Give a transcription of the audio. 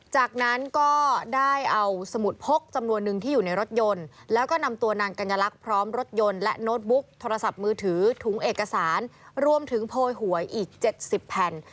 จากนั้นก็ได้เอาสมุดพกจำนวนหนึ่งที่อยู่ในรถยนต์แล้วก็นำตัวนางกัญลักษณ์พร้อมรถยนต์และโน้ตบุ๊กโทรศัพท์มือถือถุงเอกสารรวมถึงโพยหวยอีก๗๐แผ่น